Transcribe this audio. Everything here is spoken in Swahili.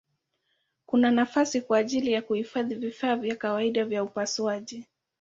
Kuna nafasi kwa ajili ya kuhifadhi vifaa vya kawaida vya upasuaji.